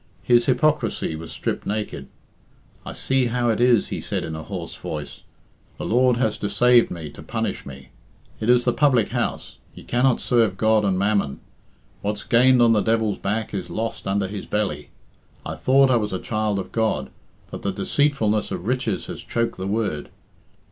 His hypocrisy was stripped naked. "I see how it is," he said in a hoarse voice. "The Lord has de ceaved me to punish me. It is the public house. Ye cannot serve God and mammon. What's gained on the devil's back is lost under his belly. I thought I was a child of God, but the deceitfulness of riches has choked the word.